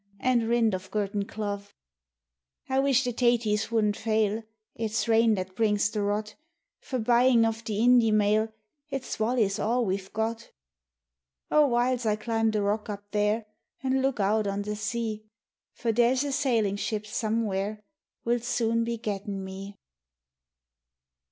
An' rint of Gurteen Clough. I wish the taties wouldn't fail, (It's rain that brings the rot !) For buyin' of the Indy male It swallys all we've got. Oh, whiles I climb the rock up there, An' look out on the sea, For there's a sailin' ship somewhere Will soon be gettin' me